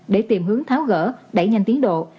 để tìm hướng tháo gỡ đẩy nhanh tiến độ